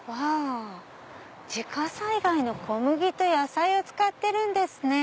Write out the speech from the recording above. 自家栽培の小麦と野菜を使ってるんですね。